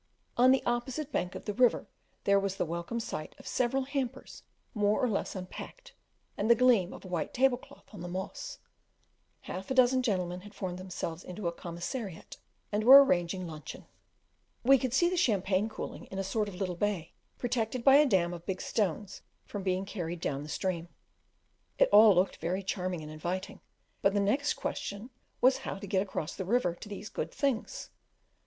On the opposite bank of the river there was the welcome sight of several hampers more or less unpacked, and the gleam of a white tablecloth on the moss. Half a dozen gentlemen had formed themselves into a commissariat, and were arranging luncheon. We could see the champagne cooling in a sort of little bay, protected by a dam of big stones from being carried down the stream. It all looked very charming and inviting, but the next question was how to get across the river to these good things.